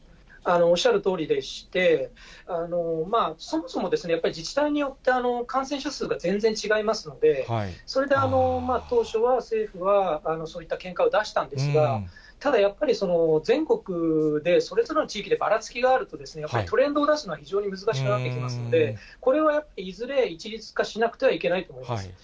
おっしゃるとおりでして、そもそも、やっぱり自治体によって、感染者数が全然違いますので、それで当初は、政府はそういった見解を出したんですが、ただやっぱり、全国でそれぞれの地域でばらつきがあると、やっぱりトレンドを出すのは非常に難しくなってきますので、これはやっぱりいずれ一律化しなければいけないと思います。